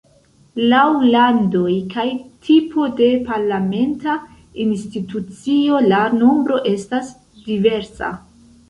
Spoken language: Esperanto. Laŭ landoj kaj tipo de parlamenta institucio la nombro estas diversa.